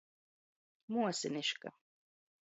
Muosiniška.